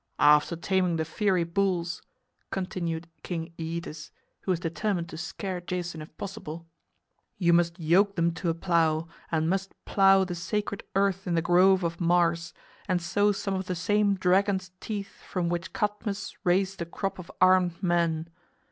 "After taming the fiery bulls," continued King Æetes, who was determined to scare Jason if possible, "you must yoke them to a plow and must plow the sacred earth in the grove of Mars and sow some of the same dragon's teeth from which Cadmus raised a crop of armed men.